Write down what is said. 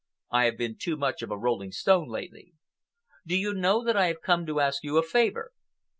I have been too much of a rolling stone lately. Do you know that I have come to ask you a favor?"